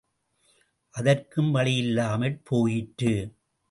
அதற்கும் வழியில்லாமற் போயிற்று.